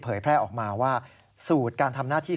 เผยแพลออกมาว่า